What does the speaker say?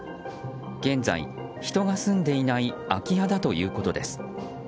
現在、人が住んでいない空き家だということです。